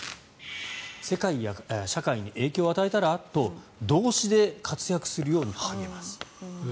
世界や社会に影響を与えたら？と動詞で活躍するように励ます。